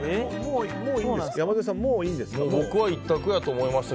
山添さん、もういいんですか？